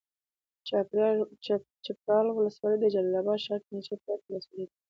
چپرهار ولسوالي د جلال اباد ښار ته نږدې پرته ولسوالي ده.